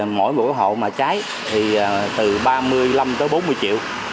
mỗi một hộ mà cháy thì từ ba mươi năm tới bốn mươi triệu